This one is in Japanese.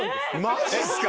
マジっすか？